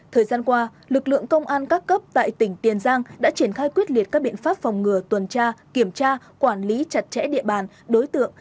thời gian qua lực lượng công an các cấp tại tỉnh tiền giang đã triển khai quyết liệt các biện pháp phòng ngừa tuần tra kiểm tra quản lý chặt chẽ địa bàn đối tượng